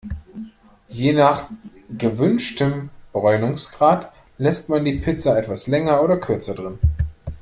Je nach gewünschtem Bräunungsgrad lässt man die Pizza etwas länger oder kürzer drin.